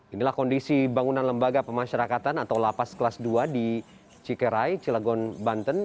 inilah kondisi bangunan lembaga pemasyarakatan atau lapas kelas dua di cikerai cilagon banten